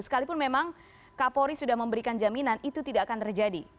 sekalipun memang kapolri sudah memberikan jaminan itu tidak akan terjadi